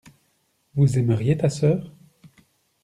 Vous aimeriez ta sœur.